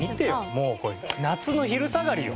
もうこれ夏の昼下がりよ。